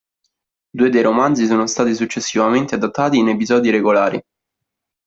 Due dei romanzi sono stati successivamente adattati in episodi regolari.